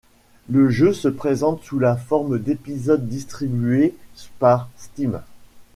Le jeu se présente sous la forme d'épisodes distribués par Steam.